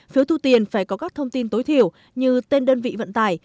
phiếu thu tiền phải có các thông tin tối thiểu như tên đơn vị vận tải